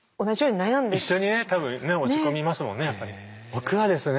僕はですね